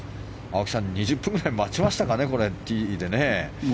青木さん、２０分ぐらい待ちましたかね、ティーでね。